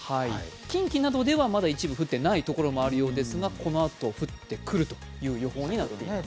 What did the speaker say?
近畿などではまだ一部降っていない所もあるようですが、このあと降ってくるという予報になっています。